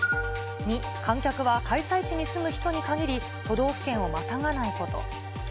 ２、観客は開催地に住む人に限り、都道府県をまたがないこと。